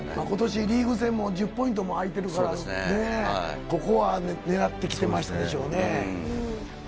今年リーグ戦、１０ポイントもあいてるからここは狙ってきていましたでしょうね。